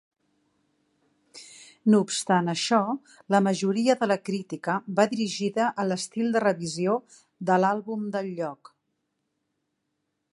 No obstant això, la majoria de la crítica va dirigida a l'estil de revisió de l'àlbum del lloc.